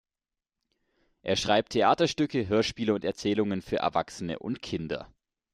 Er schreibt Theaterstücke, Hörspiele und Erzählungen für Erwachsene und Kinder.